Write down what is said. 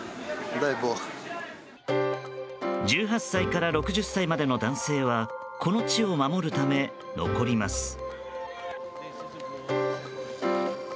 １８歳から６０歳までの男性はこの地を守るため残ります。